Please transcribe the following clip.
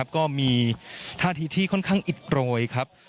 ก็มีท่าที่ที่ค่อนข้างอิบโปรย